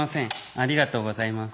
ありがとうございます」。